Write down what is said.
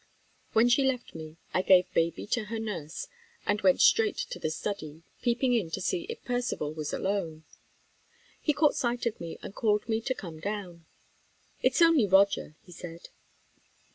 When she left me, I gave baby to her nurse, and went straight to the study, peeping in to see if Percivale was alone. He caught sight of me, and called to me to come down. "It's only Roger," he said.